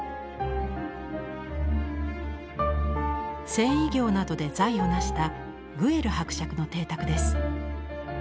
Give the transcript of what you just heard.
繊維業などで財を成したグエル伯爵の邸宅です。